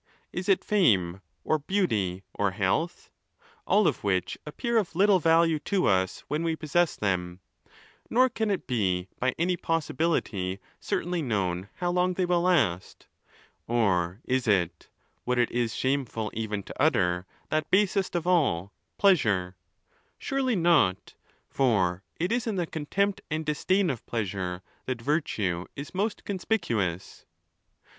is it fame, or beauty, or health ? all of which appear of little value to us when we possess them; nor can it be by any possibility certainly known how long they will last. Or is it (what it is shame ful even to utter) that basest of all, pleasure? Surely not ; for it is in the contempt and disdain of pleasure that virtue is most conspicuous.